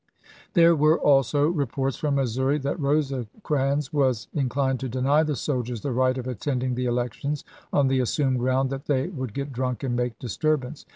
There were iIS^'ms. also reports from Missouri that Rosecrans was in clined to deny the soldiers the right of attending the elections, on the assumed ground that they would get drunk and make disturbance.